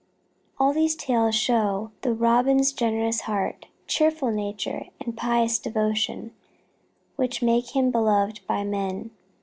All these tales show the Robin's generous heart, cheerful nature, and pious devotion, which make him beloved by men.